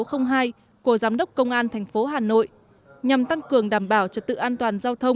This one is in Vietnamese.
của giám đốc công an thành phố hà nội nhằm tăng cường đảm bảo trật tự an toàn giao thông